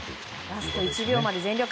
ラスト１秒まで全力。